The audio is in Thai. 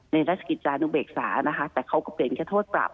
ราชกิจจานุเบกษานะคะแต่เขาก็เปลี่ยนแค่โทษปรับ